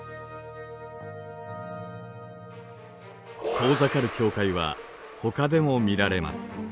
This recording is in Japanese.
遠ざかる境界はほかでも見られます。